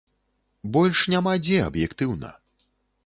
Больш няма дзе, аб'ектыўна.